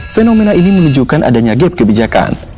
fenomena ini menunjukkan adanya gap kebijakan